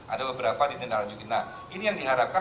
ada beberapa ditinggalkan juga nah ini yang diharapkan